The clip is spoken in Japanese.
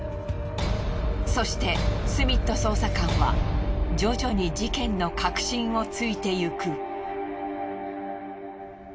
そしてスミット捜査官は徐々に事件の核心をついていく。